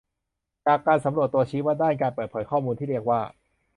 จากการสำรวจตัวชี้วัดด้านการเปิดเผยข้อมูลที่เรียกว่า